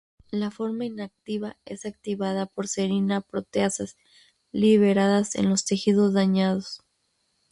La forma inactiva es activada por serina proteasas liberadas en los tejidos dañados.